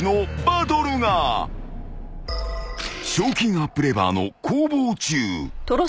［賞金アップレバーの攻防中］